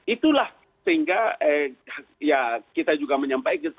itulah sehingga ya kita juga menyampaikan